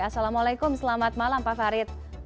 assalamualaikum selamat malam pak farid